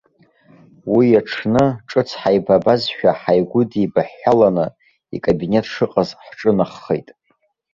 Уи аҽны ҿыц ҳаибабазшәа ҳаигәыдеибаҳәҳәаланы, икабинет шыҟаз ҳҿынаҳхеит.